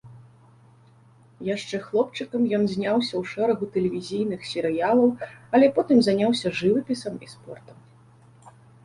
Яшчэ хлопчыкам ён зняўся ў шэрагу тэлевізійных серыялаў, але потым заняўся жывапісам і спортам.